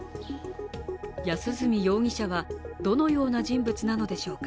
安栖容疑者はどのような人物なのでしょうか